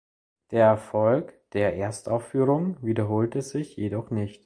Der Erfolg der Erstaufführung wiederholte sich jedoch nicht.